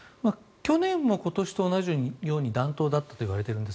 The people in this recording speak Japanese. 去年も今年と同じように暖冬だったといわれているんです。